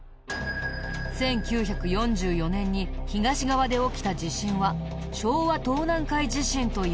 １９４４年に東側で起きた地震は昭和東南海地震といわれ